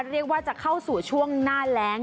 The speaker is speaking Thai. เรียกว่าจะเข้าสู่ช่วงหน้าแรง